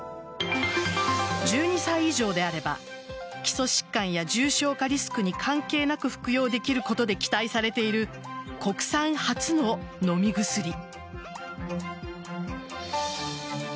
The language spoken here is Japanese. １２歳以上であれば基礎疾患や重症化リスクに関係なく服用できることで期待されている国産初の飲み薬。